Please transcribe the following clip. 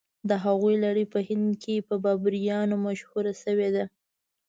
د هغوی لړۍ په هند کې په بابریانو مشهوره شوې ده.